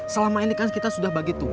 selama ini kan kita sudah bagi tuh